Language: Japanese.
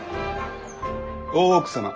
大奥様